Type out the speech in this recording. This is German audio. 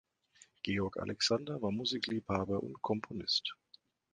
Georg Alexander war Musikliebhaber und Komponist.